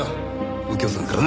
右京さんからな。